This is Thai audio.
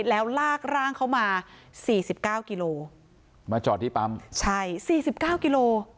แล้วลากร่างเขามาสี่สิบเก้ากิโลมาจอดที่ปั๊มใช่สี่สิบเก้ากิโล